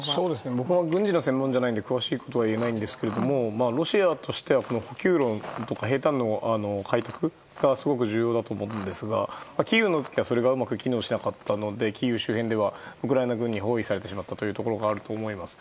僕は軍事の専門じゃないので詳しいことは言えないんですけどロシアとしては補給路とか兵站の開拓がすごく重要だと思うんですがキーウの時はそれがうまく機能しなかったのでキーウ周辺はウクライナ軍に包囲されてしまったところがあると思います。